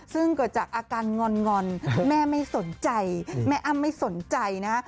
ซึ่งเกิดจากอาการงอนแม่ไม่สนใจแม่อ้ำไม่สนใจนะฮะ